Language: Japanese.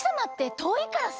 とおいからさ。